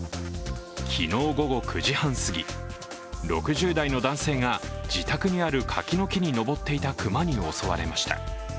昨日午後９時半過ぎ、６０代の男性が自宅にある柿の木に登っていた熊に襲われました。